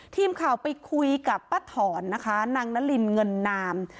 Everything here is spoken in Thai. ทีมข่าวไปคุยกับป้าถอนนะคะนางนารินเงินนาม